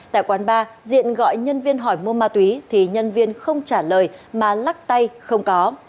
tại quán ba diện gọi nhân viên hỏi mua ma túy thì nhân viên không trả lời mà lắc tay không có